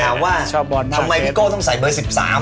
ว่าทำไมพี่โก้ต้องใส่เบอร์๑๓